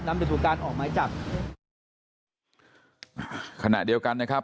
ไปสู่การออกหมายจับขณะเดียวกันนะครับ